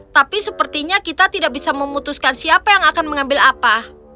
tapi sepertinya kita tidak bisa memutuskan siapa yang akan mengambil apa